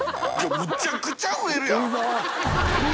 むちゃくちゃ増えるやん。